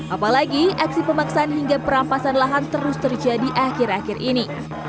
apalagi aksi pemaksaan hingga perampasan lahan terus terjadi akhir akhir ini